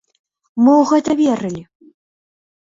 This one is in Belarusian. Мы ў гэта верылі!